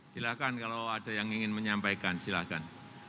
silakan kalau ada yang ingin menyampaikan silakan